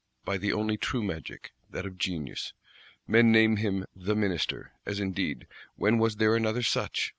By the only true magic, that of genius. Men name him "the Minister;" as indeed, when was there another such?